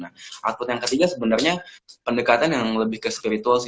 nah output yang ketiga sebenarnya pendekatan yang lebih ke spiritual sih